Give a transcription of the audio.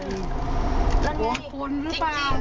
อะพวกงี้มึงอีมีเห็นเหมือนอะไรนะ